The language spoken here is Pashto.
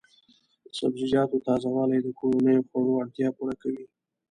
د سبزیجاتو تازه والي د کورنیو خوړو اړتیا پوره کوي.